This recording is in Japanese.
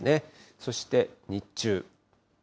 そして日中。